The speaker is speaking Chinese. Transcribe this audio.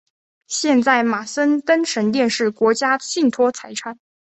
现在马森登神殿是国家信托财产。